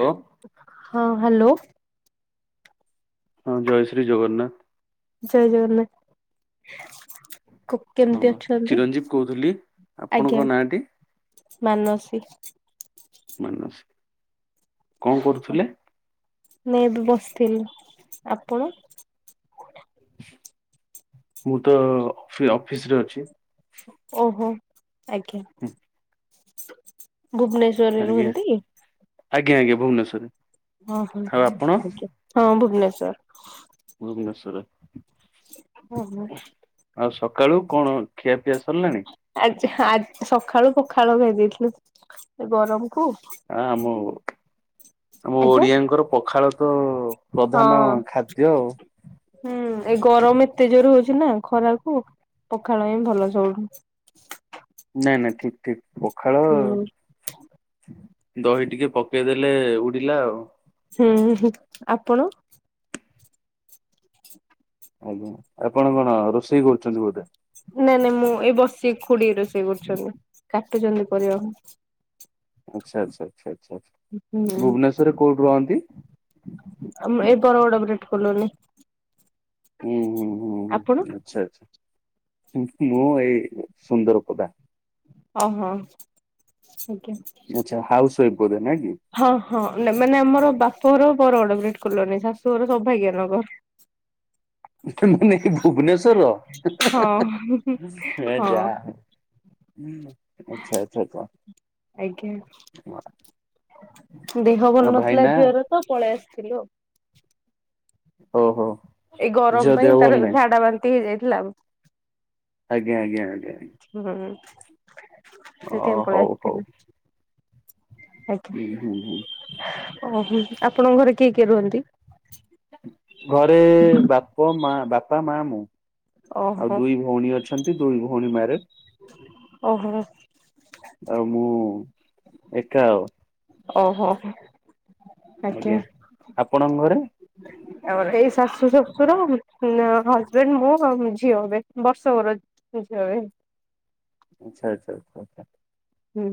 Hello ହଁ hello. ହଁ ଜୟଶ୍ରୀ ଜଗନ୍ନାଥ ଜୟ ଜଗନ୍ନାଥ। ହଁ କେମିତି ଅଛନ୍ତି। ଚିରଞ୍ଜୀବ କହୁଥିଲି ଆପଣଙ୍କ ଆଜ୍ଞା, ନାଁଟି? ମାନସୀ। ମାନସି। କଣ କରୁଥିଲେ? ମୁ ବି ବସିଥିଲି। ଆପଣ? ମୁଁ ତ ଅଫିସ ରେ ଅଛି। ଓହୋ। ଆଜ୍ଞା ହୁଁ, ଭୁବନେଶ୍ଵରରେ ରୁହନ୍ତି? ଆଜ୍ଞ। ଆଜ୍ଞ।, ଭୁବେଶ୍ୱରେ। ହଁ ହଁ ଆଜ୍ଞା, ହଁ ଭୁବନେଶ୍ଵର। ଭୁବନେଶ୍ୱର। ଓ ହୋ ଆଉ ସକାଳୁ କଣ ଖିଆପିଆ ସରିଲାଣି। ଆଜି ସକାଳୁ ପଖାଳ ଖ ଦେଇେଇଥିଲୁ। ଗରମକୁୁ ହଁ ଆମ ଆମ ଆଜ୍ଞା ଓଡିଆଙ୍କର ପଖାଳ ତ ହଁ ପ୍ରଧାନ ଖାଦ୍ୟ ଆଉ। ହୁଁ ଏ ଗରମ ଏତେ ଜୋରେ ହଉଛି। ହଉଛି ନା ଖରାକୁ ପଖାଳ ହିଁ ଭଲ ସବୁଠୁ। ନା ନା ଠିକ୍ ଠିକ୍। ପଖାଳ। ହୁଁ ଦହି ଟିକେ ପକେଇଦେଲେ ଉଡ଼ିଲା ଆଉ ହୁଁ ହୁଁ ଆପଣ ଆଜ୍ଞା ଆପଣ କଣ ରୋଷେଇ କରୁଛନ୍ତି ବୋଧେ। ନାଇଁ ନାଇଁ ମୁଁ ଏଇ ବଷ୍ ସେ ଖୁଡ଼ି ରୋଷେଇ କରୁଛନ୍ତି। କେତେ ଜଲଦି ପରିବା କୁ- ଆଚ୍ଛା ଆଚ୍ଛା ଆଚ୍ଛା। ଆଚ୍ଛା ଆଚ୍ଛା ହୁଁ। ଭୁବନେଶ୍ୱରରେ କୋଉଠି ରହନ୍ତି। [unintelligible] ହୁଁ ହୁଁ ହୁଁ ଆପଣ? ଆଚ୍ଛା ଆଚ୍ଛା। ମୁଁ ଏଇ ସୁନ୍ଦର ପଦା। ଓ ହୋ। ଆଚ୍ଛା ହାଉସ୍। ଶୋଇପଡ଼ିଲେ ନା କି- ହଁ ହଁ ମାନେ ଆମର ବାପ ଘର ବଡ଼ଗଡ଼ [unintelligible] କଲନି ଶାଶୁଘର ସୋଭାଗ୍ୟ ନଗର। ମାନେ କି ହଁ ଭୁବନେଶ୍ୱର ଯା ହଁ ଆଚ୍ଛା ଆଚ୍ଛା। ଆଜ୍ଞା ଦେହ ଭଲ ଆଉ ନଥିଲା ଭାଇନା ଝିଅର ତ ପଳେଇ- ଆସିଥିଲୁ। ଓ ହୋ। ଏଇ ଗରମ ପାଇଁ ତାର ଝାଡ଼ା ବାନ୍ତି ହେଇଯାଇ ଲାମ୍। ଆଜ୍ଞା ଆଜ୍ଞା। ଆଜ୍ଞା। ଅ ସେଥିପାଇଁ ପଳେଇ ହଉ ହଉ ଆସିଥିଲି। ହୁଁ ହୁଁ ହୁଁ ଆଜ୍ଞା ଓହୋ। ଆପଣଙ୍କ ଘରେ କିଏ କିଏ ରୁହନ୍ତି। ଘରେ ବାପ ମା ବାପା ମା ମୁଁ। ଆଉ ଓହୋ ଦୁଇ ଭଉଣୀ ଅଛି। ଦୁଇ ଭଉଣୀ ମ୍ୟାରେଜ୍। ଓହୋ। ଆଉ ମୁଁ ଏକା ଆଉ ଓ ହୋ। ଆଜ୍ଞା ଆପଣଙ୍କ ଘରେ- ଆଉ ଏଇ ଶାଶୁ ଶଶୁର ଉଁ ହଜବେଣ୍ଡ ମୁଁ ଆଉ ମୋ ଝିଅ ଏବେ ବର୍ଷ କର ଝିଅ ଏବେ। ଆଛା ଆଛା। ହୁଁ।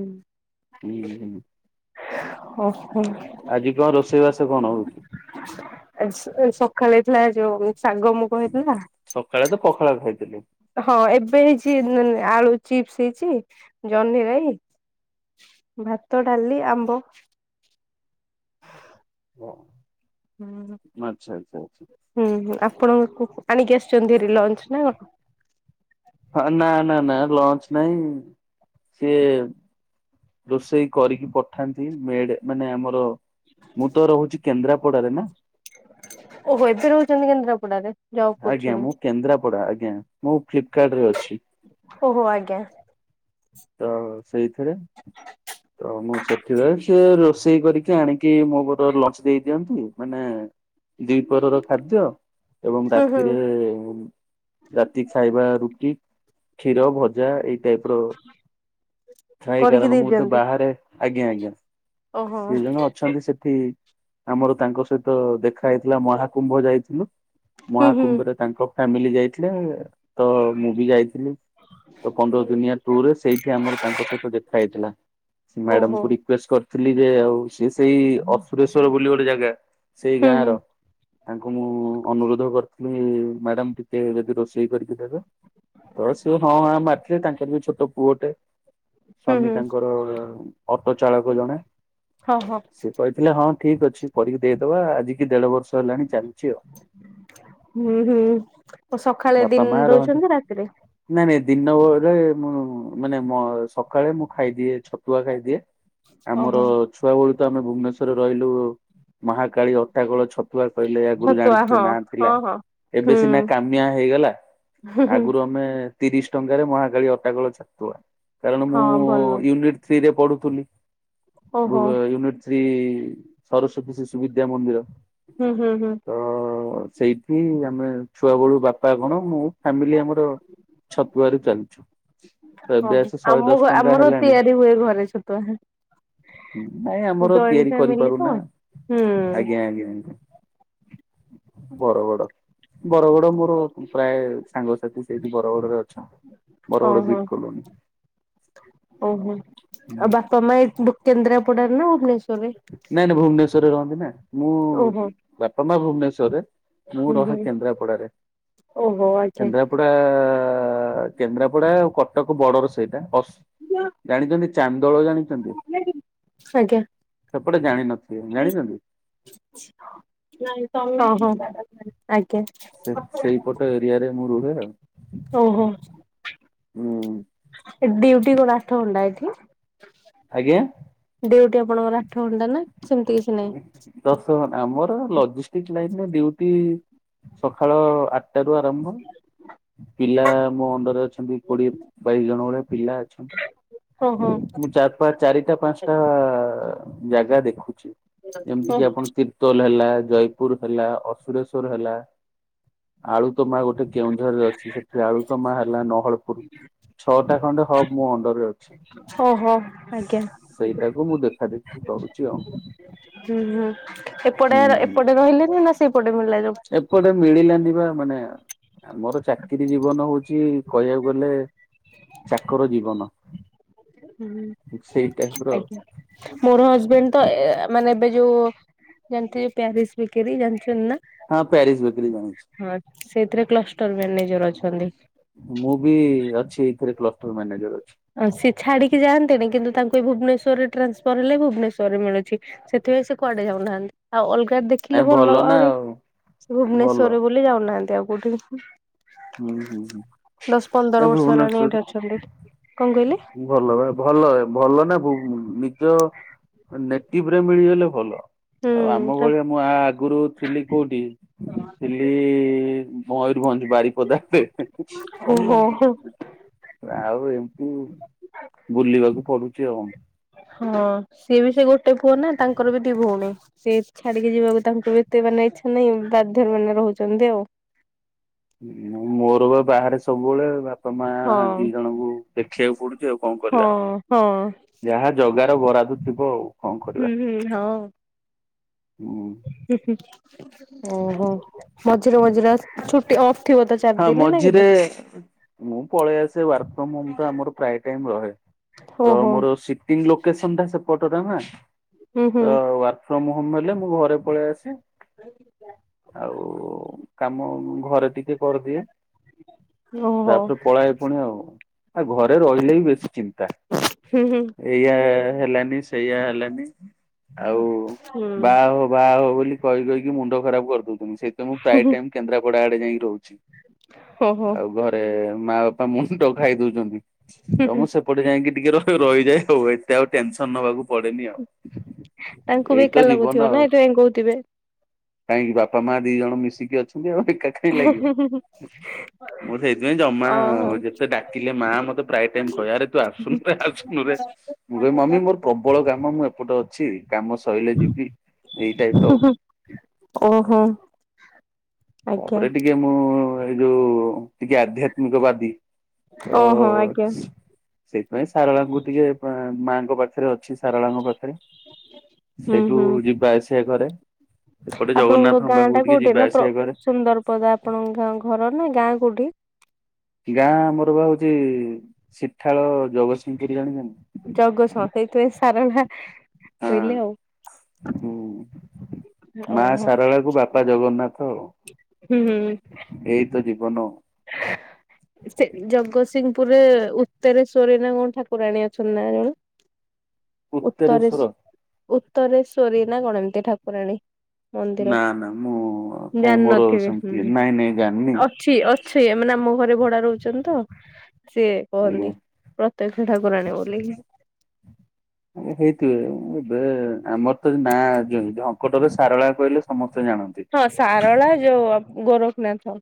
ହୁଁ ହୁଁ। ଓହୋ ଆଜି କଣ ରୋଷେଇବାସ କଣ ହଉଛି? ଆଜ ଆଜ ସଖାଳେ। ନାଇ ଯୋଉ ଶାଗ ମୁଗ ହେଇଥିଲା ସକାଳେ ତ ପଖାଳ ଖାଇଥିଲି। ହଁ ଏବେ ହେଇଛି ଆଳୁ ଚିପ୍ସ, ହେଇଛି ଜହ୍ନିରାଇ, ଭାତ, ଡାଲି, ଆମ୍ବ ହଁ। ହ ହୁଁ ହଁ ଆ ଆପଣଙ୍କ ଆଣିକି ଆସିଛନ୍ତି ଲଞ୍ଚ ନା କଣ? ହଁ ନା ନା ନା ଲଞ୍ଚ ନାହିଁ ଇଏ ରୋଷେଇ କରିକି ପଠାନ୍ତି ମେଡ ମାନେ ଆମର ମୁଁ ତ ରହୁଛି କେନ୍ଦ୍ରାପଡାରେ ନା। ଓହୋ ଏଥେ ରହୁଛନ୍ତି କେନ୍ଦ୍ରାପଡ଼ାରେ। ଆଜ୍ଞା ମୁଁ କେନ୍ଦ୍ରାପଡା ଆଜ୍ଞା ମୁଁ ଫ୍ଲିପକାର୍ଟ ରେ ଅଛି। ଓହୋ ଆଜ୍ଞା ହ ସେଇଥିରେ ତ ମୁଁ ସେଠି ରହେ - ରୋଷେଇ କରିକି ଆଣିକି ମୋର ଲଞ୍ଚ ଦେଇ ଦିଅନ୍ତି ମାନେ ଦିପହରର ଖାଦ୍ୟ ଏବଂ ହୁଁ ହୁଁ ରାତି ରାତିରେ ରାତି ଖାଇବା ରୁଟି କ୍ଷୀର ଭଜା ଏଇ ଟାଇପର କରିକି କାରଣ ଦେଇ ମୁଁ ତ ଦିଅନ୍ତି। ବାହାରେ ଆଜ୍ଞା ଆଜ୍ଞା ଓହୋ ସେ ଜଣେ ଅଛନ୍ତି ସେଠି ଆମର ତାଙ୍କ ସହିତ ଦେଖା ହେଇଥିଲା ମହାକୁମ୍ଭ ଯାଇଥିଲୁ। ହୁଁ ହୁଁ ମହାକୁମ୍ଭରେ ତାଙ୍କ ଫ୍ୟାମିଲି ଯାଇଥିଲେ ତ ମୁଁ ବି ଯାଇଥିଲି ତ ପନ୍ଦର ଦିନିଆ ଟୁର୍ରେ ସେଇଠି ଆମର ତାଙ୍କ ସହିତ ଦେଖା ହେଇଥିଲା ସେ ଓହୋ ମ୍ୟାଡମକୁ ରିକ୍ୱଷ୍ଟ କରି ଥିଲି ଯେ ଆଉ ସିଏ ସେଇ ଅସୁରେଶ୍ଵର ବୋଲି ଗୋଟେ ଜାଗା ସେଇ ହୁଁ ଗାଁ ହୁଁ ର ତାଙ୍କୁ ମୁଁ ଅନୁରୋଧ କର ଲି ମ୍ୟାଡାମ ଟିକେ ଯଦି ରୋଷେଇ କରିକି ଦେବେ ତ ସେ ହଁ ହଁ ମାରିଥିଲେ ତାଙ୍କର ବି ଛୋଟ ପୁଅଟେ ହୁଁ ସ୍ଵାମୀ ହୁଁ ତାଙ୍କର ଅଟୋ ଚାଳକ ଜଣେ ହଁ ହଁ ସେ କହିଥିଲେ ହଁ ଠିକ ଅଛ ଛି କରିକି ଦେଇଦବା ଆଜିିକି ଦେଢ ବର୍ଷ ହେଲାଣି ଚାଲିଚି ଆଉ। ହୁଁ ହୁଁ ସକାଳେ ଦିନ ଦଉଚନ୍ତି ନା ରାତିରେ? ଦିନରେ ମୁଁ ମାନେ ମୁଁ ସକାଳେ ମୁଁ ଖାଇଦିଏ ଛତୁଆ ଖାଇଦିଏ। ଆମର ଓହୋ ଛୁଆ ବଳି ତ ଆମେ ଭୁବନେଶ୍ୱରରେ ରହିଲୁ ମହାକାଳୀ ଅଟାଗୋଳ ଛ ତୁଆ କହିଲେ ଆଗୁରୁ ଛତୁଆ ଜାଣିଥିବ ହଁ ନା ଥିଲା ହଁ ହଁ ଏବେ ସିନା ହୁଁ କାମିଆ ହେଇଗଲା ହୁଁ ହୁଁ ଆଗରୁ ଆମେ ତିରିଶ ଟଙ୍କାରେ ମହାକାଳୀ ଅଟାକଳ ଛତୁଆ। କାରଣ ମୁଁ ହଁ ଭଲ ୟୁନିଟ ଥ୍ରୀ ରେ ପଡୁଥିଲି ଓହୋ ବୁବେ ୟୁନିଟ୍ ଥ୍ରୀ ସରସ୍ଵତୀ ଶିଶୁ ବିଦ୍ୟା ମନ୍ଦିର। ହୁଁ ହୁଁ ହୁଁ। ଠି ଆମେ ଛୁଆ ବେଳୁ ବାପା କଣ ମୁଁ ଫ୍ୟାମିଲି ଆମର ଛତୁଆରୁ ଚାଲିଚୁ ତ ଏବେ ଓହୋ ଆସି ଶହେ ଆମ ଘ ଦଶ ଟଙ୍କା ଆମର ହେଲାଣି ତିଆରି ହୁଏ ଘରେ ଛତୁଆ ନାଇଁ ଆମର ଜଏଣ୍ଟ ତିଆରି ଫ୍ୟାମିଲି ତ କରିପାରୁନା ହୁଁ ଆଜ୍ଞା ଆଜ୍ଞା ଆ ବରଗଡ଼। ବରଗଡ ମୋର ପ୍ରାୟ ସାଙ୍ଗସାଥି ସେଇଠି ବରଗଡ଼ ରେ ଅ ହ ହୋ ଓ ହୋ ଆଉ ବାପା ମା ଏକୁ କେନ୍ଦ୍ରା ପୋଡା ନା ଭୁବନେଶ୍ୱ ନାଇଁ ନାଇଁ ଭୁବନେଶ୍ଵରେ ରହନ୍ତି ନା ମୁଁ ଓହୋ ବାପା ମା ଭୁବନେଶ୍ଵରରେ ମୁଁ ହୁଁ ରହେ ହୁଁ କେନ୍ଦ୍ରାପଡା ରେ ଓହୋ ଆଜ୍ଞା କେନ୍ଦ୍ରାପଡା ଆ କେନ୍ଦ୍ରାପଡା ଆଉ କଟକ ବର୍ଡର ସେଇଟା ଅସ ଜାଣିଚନ୍ତି? ଚାମ୍ ଦଳ ଜାଣିଚନ୍ତି? ଆଜ୍ଞା ଓହୋ। ଆଜ୍ଞା। ସେ ସେଇପଟ ଏରିଆରେ ମୁଁ ରୁ [unintelligible] ଓହୋ। ଏ ଡିୟୁଟି କ ଆଠ ଘଣ୍ଟା ଏଠି? ଆଜ୍ଞା ଡ୍ୟୁଟି ଆପଣଙ୍କର ଆଠ ଘଣ୍ଟା ନା ସେମିତି କିଛି ନାହିଁ ଦଶ ଘ ଆମର ଲଜିଷ୍ଟିକ ଲାଇନ ରେ ଡିୟୁ ଟି ସଖାଳ ଆଠଟାରୁ ଆରମ୍ଭ ପିଲା ମୋ ଅଣ୍ଡରେ ଅଛନ୍ତି କୋଡିଏ ବାଇଶ ଜଣ ଭଳିଆ ପିଲା ଅଛନ୍ତି ଓହୋ ମୁଁ ଚା ବା ଚାରିଟା ପାଞ୍ଚଟା ଜାଗା ଦେଖୁ ଛି ଯେମିତି କି ଆପଣ ତିର୍ତୋଲ ହେଲା। ଜୟପୁର ହେଲା ଅସୁରେଶ୍ଵର ହେଲା ଆଳୁତମା ଗୋଟେ କେଉଁଝରରେ ଅଛି। ସେଠି ଆଳୁତମା ହେଲା ନହଳପୁର ଛଅଟା ଖଣ୍ଡେ ହବ୍ ମୋ ଅଣ୍ଡରରେ ଅଛି। ଓହୋ ଆଜ୍ଞା ସେଇଟାକୁ ମୁଁ ଦେଖାଦେଖି କରୁଛି ଆଉ। ହୁଁ ହୁଁ ଏପଟେ ହୁଁ ହୁଁ। ଏପଟେ ରହିଲେଣି ନା ସେଇପଟେ ମିଳିଲା ଜବ୍? ଏପଟେ ମିଳିଲାନି ବା। ମାନେ ଆମର ଚାକିରି ଜୀବନ ହଉଛି କହିବାକୁ ଗଲେ ଚାକର ଜୀବନ। ହୁଁ ସେଇ ଟାଇପ ର ଆଜ୍ଞା ମୋର ହଜବେଣ୍ଡ ତ ଏ ମାନେ ଏବେ ଯୋଉ ଯେମତି ପେଙ୍ଗୀ ସ୍ପିକିରି ଜାଣିଛନ୍ତି ନା। ହଁ ପ୍ୟାରିସ ବିକିରି ଜାଣି ହଁ। ସେଇଥିରେ କ୍ଲଷ୍ଟର ମ୍ୟାନେଜର ଅଛନ୍ତି। ସିଏ ଏଇଥିରେ କ୍ଲଷ୍ଟର ମାନେଜର ଆ ସି ଛାଡିକି ଯାଆଁନ୍ତିନି କିନ୍ତୁ ତାଙ୍କୁ ସେ ଭୁବନେଶ୍ୱରରେ ଟ୍ରାନ୍ସଫର୍ ହେଲେ ଭୁବନେଶ୍ୱରରେ ମିଳୁଛି। ସେଥିପାଇଁ ସେ କୁଆଡେ ଯାଉନାହାଁନ୍ତି। ଆଉ ଅଲଗ ନାଇଁ ଦେଖିଲେ ଭଲ ହ ନା ଆହୁରି। ଆଉ ସେ ଭଲ ଭୁବନେଶ୍ଵରରେ ବୋଲି ଯାଉନାହାଁନ୍ତି। ତେ ଆଉ କଉଠି? ହୁଁ ହୁଁ ହୁଁ ଦଶ ଏ ପନ୍ଦର ବର୍ଷ ହେଲାଣି ଭୁବନେଶ୍ଵରୀ ଏଇଠେ ଅଛନ୍ତି। କଣ କହିଲେ? ଭଲ ବା ଭଲ ଭଲ ନା। ଉ ନିଜ ନେଟିଭ୍ ରେ ମିଳିଗଲେ ଭଲ। ଆଉ ଆମ ଭଳିଆ ହୁଁ ମୁଁ ଆ ଆ ଆଗୁରୁ ଥିଲି କୋଉଠି ଥିଲି ମୟୂରଭଞ୍ଜ ବାରି ବଦା। ଓହୋ। ଆଉ ଏ ଉ ବୁଲିବାକୁ ପଡୁଛି ଆଉ। ହଁ। ସିଏ ବି ସେ ଗୋଟେ ପୁଅ ନା ତାଙ୍କର ବି ଦି ଭଉଣୀ। ସେ ଛାଡିକି ଯିବାକୁ ତାଙ୍କୁ ଏତେ ମାନେ ଇଛା ନାହିଁ। ବାଧ୍ୟରେ ମାନେ ରହୁଛନ୍ତି ଆଉ। ମୁଁ ମୋର ବା ବାହାରେ ସବୁବେଳେ। ବାପ ବାପ ମା ହଁ। ଦି ଜଣଙ୍କୁ ଦେଖିବାକୁ ପଡୁଛି ଆଉ କଣ ହଁ କରିବା। ହଁ। ଯାହା ଜଗାର ବରାଦ ଥିବ ଆଉ କଣ ହୁଁ କରିବା। ହୁଁ ହଁ। ହୁଁ। ଓହୋ ମଝିରେ ମଝିରେ ଆସ୍ ଛୁଟି ଅଫ୍। ଥିବ ତ ଚାରି ହଁ ଦିନ ନା କେବେ? ମଝିରେ ମୁଁ ପଳେଇ ଆସେ ୱାର୍କ ଫ୍ରମ ହୋମ ଆମର ପ୍ରାୟ ଟାଇମ ରହେ ତ ଓହୋ ମୋର ସିଟିଙ୍ଗ ଲୋକେସନ ଟା ସେ ପଟ ଟା ନା ହୁଁ ତ ହୁଁ। ୱାର୍କ ଫ୍ରମ ହୋମ ହେଲେ ମୁଁ ଘରେ ପଳେଇ ଆସେ। ଆଉ କାମ ଘରେ ଟିକେ କରିଦିଏ ଓହୋ ତାପରେ ପଳଏ ପୁଣି ଆଉ। ଆଉ ଘରେ ରହିଲେ ବି ବେଶୀ ଚିନ୍ତା ହୁଁ ହୁଁ ଏଇଆ ହେଲାନି ସେଇଆ ହେଲାନି। ଆଉ ହୁଁ। ବାହା ହୋ ବାହା ହୋ ବୋଲି କହି କହି ମୁଣ୍ଡ ଖରାପ କରିଦଉଚି। ସେଇ ତ ମୁଁ ହୁଁ ପ୍ରାୟ ହୁଁ ଟାଇମ କେନ୍ଦ୍ରାପଡା ଆଡେ ଯାଇଁ ରହୁ ଓହୋ ଆଉ ଘରେ ମା ବାପା ମୁଣ୍ଡ ଖାଇ ଦଉଚନ୍ତି। ହୁଁ ତ ହୁଁ ମୁଁ ସେପଟେ ଯାଇଁକି ଟିକେ ର ରହିଯାଏ ହଉ ଏତେ ଆଉ ଟେନସନ ନବାକୁ ପଡେନି ଆଉ। ତାଙ୍କୁ ଏଇ ବି ତ ଏକା ଜୀବନ ଲାଗୁଥିବ ଆଉ ନା ହେଥିପାଇଁ କହୁଥିବେ। କାହିଁକି ବାପା ମା ଦି ଜଣ ମିଶିକି ଅଛନ୍ତି ଆଉ। ଏକା କାଇଁ ଲାଗିବ। ମୁଁ ସେଇଥିପାଇଁ ଜମା ଓହୋ। ଯେତେ ଡାକିଲେ ମା ମତେ ପ୍ରାୟ ଟାଇମ କହେ ଆରେ ତୁ ହୁଁ ଆସୁନୁରେ ଆସୁନୁରେ ମୁଁ କହିବି ମମି ହୁଁ ମୋର ପ୍ରବଳ କାମ ମୁଁ ଏପଟେ ଅଛି। କାମ ସଇଲେ ଯିବି ଏଇ ଟାଇପ ର ଅଉ। ଓହୋ ଆଜ୍ଞା। ତାପରେ ଟିକେ ମୁଁ ଏଇ ଯୋଉ ଟିକେ ଆଧ୍ୟାତ୍ମିକବାଦୀ ଅ ଓହୋ ଆଜ୍ଞା। ସେଇଥିପାଇଁ ସାରଳାଙ୍କୁ ଟିକେ ମାଙ୍କ ପାଖରେ ଅଛି। ସାରଳାଙ୍କ ପାଖରେ ହୁଁ ସେଇଠୁ ହୁଁ ଯିବା ଆସିବା କରେ। ଏପଟେ ଆପଣଙ୍କ ଜଗନ୍ନାଥଙ୍କ ଗାଁ ପାଖକୁ ଟା ଟିକେ କୋଉଠି ଯିବା ନା ଆସିବା କରେ ସୁନ୍ଦର ପଦା ଆପଣଙ୍କ ଘର ନା ଗାଁ କୋଉଠି? ଗାଁ ମୋର ବା ହଉଛି ସିଠାଳ ଜଗତସିଂହପୁର ଜାଣିନ କି। ଜଗତସିଂହପୁର ସେଇଥି ପାଇଁ ସାରଳା ହଁ କହିଲେ ଆଉ। ହୁଁ ମା ଓହୋ। ଶାରଳା କୁ ବାପା ଜଗନ୍ନାଥ। ଆଉ ହୁଁ ହୁଁ ଏଇ ତ ଜୀବନ ଆଉ। ସେ ଜଗତସିଂହପୁରେ ଉତରେଶ୍ୱରି ନା କଣ ଠାକୁରାଣୀ ଅଛନ୍ତି ନା କଣ? ଉତ୍ତରେଶ୍ଵର ଉତ୍ତରେଶ୍ ଉତ୍ତରେଶ୍ଵରୀ ନା କଣ ଏମିତି ଠାକ୍ ଠାକୁରାଣୀ। ମନ୍ଦିର ନା ନା ମୁଁ କାଇଁ ମୋର ଜାଣିନଥିବେ ସେମିତି ନାଇଁ ନାଇଁ ଜାନ୍ନି ଛେଇଆ ମାନେ ଆମ ଘରେ ଭଡା ରହୁଚନ୍ତି ତ ସିଏ ଆଜ୍ଞା କହନ୍ତି ପ୍ରତ୍ୟକ୍ଷ ଠାକୁରାଣୀ ବୋଲିି। ବେ ଆମର ତ ନା ଆଗେ ଢ଼ଙ୍କଟର ସାରଳା କହିଲେ ସମ ହଁ ସାରଳା ଯୋଉ ଅ ଗୋରଖ ନାଥ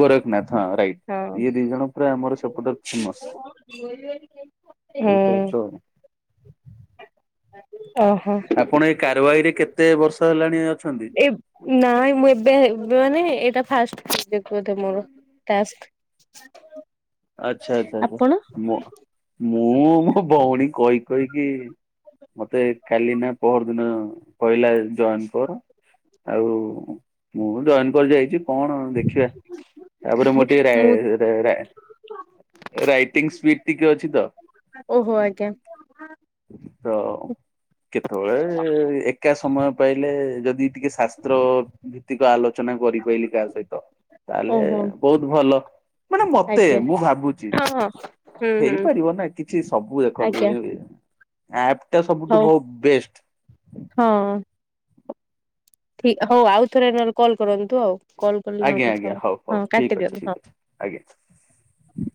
ଗୋରଖ ନାଥ। ହଁ ରାଇଟ ଇଏ ଦି ଜଣ ପୁରା ଆମର ସେପଟ ଫେମଶ୍ ହଁ। ଏଇତ ହୁଁ ଏତ ଓହୋ ଆପଣ ଏଇ କାରବାଇରେ କେତ ଏତେ ବର୍ଷା ହେଲାଣି ଅ ଏବ୍ ନାଇଁ ମୁଁ ଏବେ ମାନେ ଏଇଟା ଫାଷ୍ଟ। [unintelligible] ଆଚ୍ଛା ଆଚ୍ଛା ଆଛା ଆପଣ ମୋ ମୁଁ ମୋ ଭଉଣୀ କହି କହିକି ମତେ ଖାଲି ନା ପହର ଦିନ କହିଲା ଏ ଜଏନ କର ଆଉ ମୁଁ ଜଏନ କରି ଯାଇଛି। କଣ ଦେଖିବା ତାପରେ ମୁଁ ଟିକେ ରା ରା ରାଇଟିଂ ସ୍ଵିପ୍ ଟିକେ ଅଛି ତ। ଓହୋ ଆଜ୍ଞା। ତ କେତେବେଳେ ଏକା ସମୟ ପାଇଲେ ଯଦି ଟିକେ ଶାସ୍ତ୍ର ଭିତ୍ତିକ ଆଲୋଚନା କରିପାଇଲିି କାହା ସହିତ ତାଲେ ଓହୋ ବହୁତ୍ ଭଲ। ଆଜ୍ଞା। ଭାବୁଚି ହଁ ହଁ ହୁଁ ହୁଁ ହେଇପାରିବ ନାଇ କିଛି ସବୁ ଦେଖନ୍ତୁ ଆଜ୍ଞା ଏ ଆପ୍ ତ ସବୁଠୁ ହଉ ବହୁ ବେଷ୍ଟ ହଁ। ଠିକ ହଉ ଆଉଥରେ ନଲେ କଲ୍ କରନ୍ତୁ ଆଉ କଲ କରିଲେ ଆଜ୍ଞା କଥା ଆଜ୍ଞା ହଉ ହଉ ହଁ ଠିକ କାଟି ଅଛି ଦିଅନ୍ତ ଠିକ ଅଛି ଆଜ୍ଞା। ହଁ।